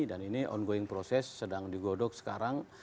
dan ini ongoing proses sedang digodok sekarang